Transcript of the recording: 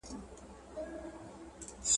په ماشومانو کار کول منع دي.